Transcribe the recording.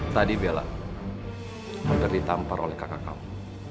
tadi bella sudah ditampar oleh kakak kamu